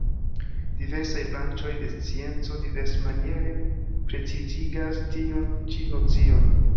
Diversaj branĉoj de scienco diversmaniere precizigas tiun ĉi nocion.